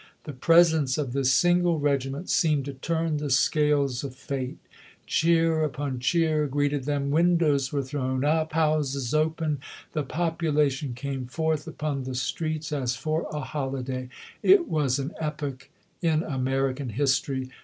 The presence of this single regi ment seemed to turn the scales of fate. Cheer WASHINGTON IN DANGER 157 upon cheer greeted them, windows were thrown chap. vii. up, houses opened, the population came forth upon the streets as for a holiday. It was an epoch in American history.